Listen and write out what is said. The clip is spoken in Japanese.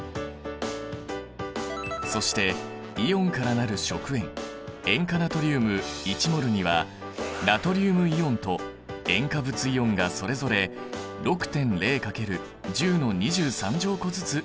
そしてイオンから成る食塩塩化ナトリウム１ｍｏｌにはナトリウムイオンと塩化物イオンがそれぞれ６．０×１０の２３乗個ずつ存在する。